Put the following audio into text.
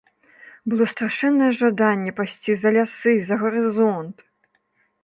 Было страшэннае жаданне пайсці за лясы, за гарызонт.